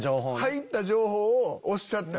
入った情報をおっしゃったり。